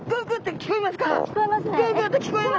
聞こえますね。